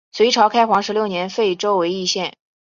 隋朝开皇十六年废州为易县。